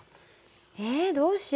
えっどうしよう。